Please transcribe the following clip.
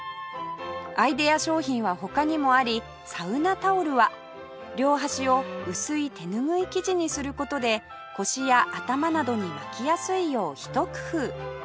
アイデア商品は他にもありサウナタオルは両端を薄い手ぬぐい生地にする事で腰や頭などに巻きやすいようひと工夫